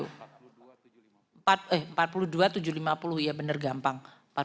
eh empat puluh dua tujuh ratus lima puluh ya benar gampang